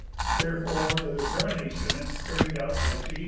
Therefore the determination, carried out by J.